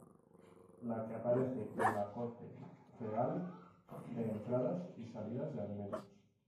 La que aparece en la corte real, de entradas y salidas de alimentos.